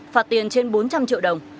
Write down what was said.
phạt tiền trên bốn trăm linh triệu đồng